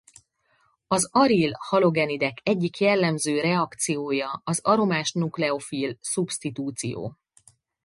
Az aril-halogenidek egyik jellemző reakciója az aromás nukleofil szubsztitúció.